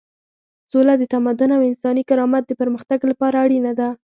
سوله د تمدن او انساني کرامت د پرمختګ لپاره اړینه ده.